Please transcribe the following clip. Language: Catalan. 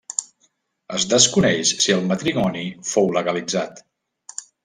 Es desconeix si el matrimoni fou legalitzat.